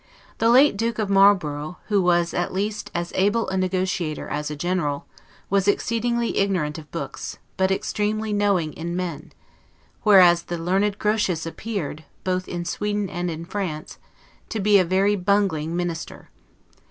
The late Duke of Marlborough, who was at least as able a negotiator as a general, was exceedingly ignorant of books, but extremely knowing in men, whereas the learned Grotius appeared, both in Sweden and in France, to be a very bungling minister.